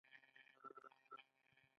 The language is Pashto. آیا لویې بیړۍ بندرونو ته نه راځي؟